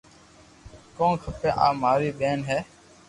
ڪون ڪيي آ ماري ٻين ھي